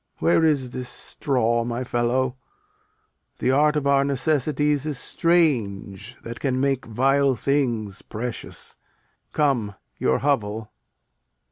Where is this straw, my fellow? The art of our necessities is strange, That can make vile things precious. Come, your hovel.